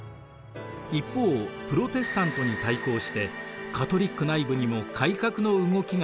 一方プロテスタントに対抗してカトリック内部にも改革の動きが生まれます。